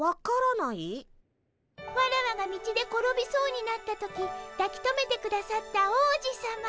ワラワが道で転びそうになった時だきとめてくださった王子さま。